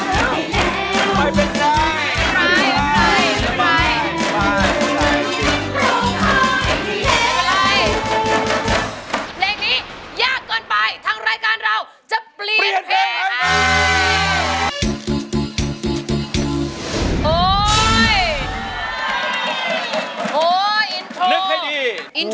เพลงนี้ยากกว่านึงทั้งรายการเราจะเปลี่ยนแผน